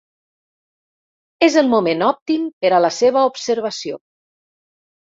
És el moment òptim per a la seva observació.